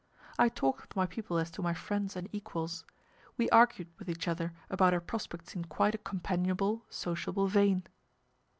I talked with my people as to my friends and equals. We argued with each other about our prospects in quite a companionable, sociable vein.